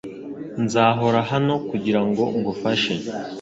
Nzahora hano kugirango ngufashe .